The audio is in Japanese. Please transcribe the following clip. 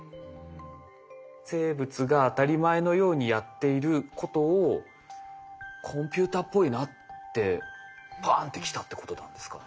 生物が当たり前のようにやっていることをコンピューターっぽいなってパーンってきたってことなんですかね。